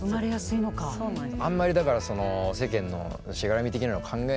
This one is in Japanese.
そうなんですよ。